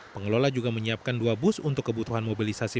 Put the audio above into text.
pengelola juga menyiapkan dua bus untuk kebutuhan mobilisasi